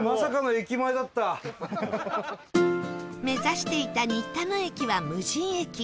目指していた新田野駅は無人駅